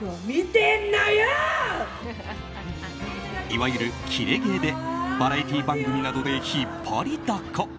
いわゆるキレ芸でバラエティー番組などで引っ張りだこ。